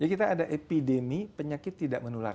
karena ada epidemi penyakit tidak menular